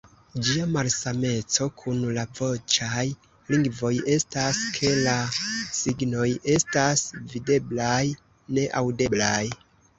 Ĝia malsameco kun la voĉaj lingvoj estas, ke la signoj estas videblaj, ne aŭdeblaj.